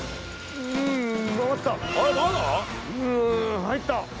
うん入った！